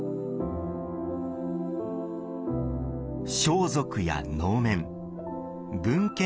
装束や能面文献